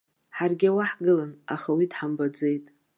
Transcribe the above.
Ҳаргьы уа ҳгылан, аха уи дҳамбаӡеит.